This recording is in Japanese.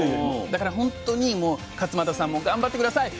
だから本当にもう勝間さんも頑張って下さい。